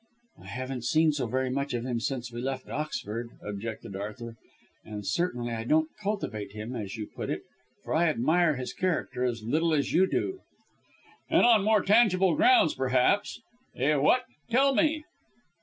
"I haven't seen so very much of him since we left Oxford," objected Arthur, "and certainly I don't cultivate him, as you put it, for I admire his character as little as you do." "And on more tangible grounds, perhaps? Eh, what? Tell me."